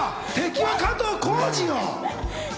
敵は加藤浩次よ？